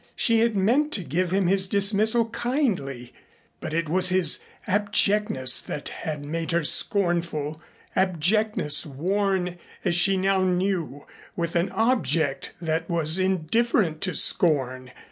She had meant to give him his dismissal kindly, but it was his abjectness that had made her scornful abjectness worn as she now knew with an object that was indifferent to scorn.